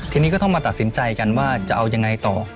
ทีนี้ก็ต้องมาตัดสินใจกันว่าจะเอายังไงต่อ